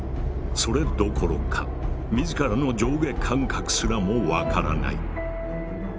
それどころか自らの上下感覚すらも分からない。